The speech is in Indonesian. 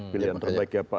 pilihan terbaik ya pak